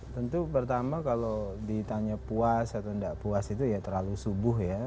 tentu pertama kalau ditanya puas atau tidak puas itu ya terlalu subuh ya